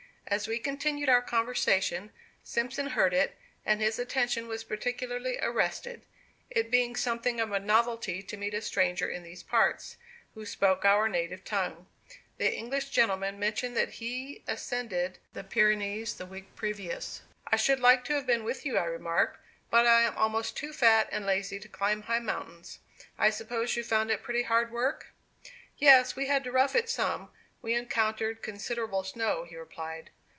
As we continued our conversation, Simpson heard it, and his attention was particularly arrested it being something of a novelty to meet a stranger in these parts, who spoke our native tongue. The English gentleman mentioned that he ascended the Pyrenees the week previous. "I should like to have been with you," I remarked, "but I am almost too fat and lazy to climb high mountains. I suppose you found it pretty hard work." "Yes, we had to rough it some; we encountered considerable snow," he replied.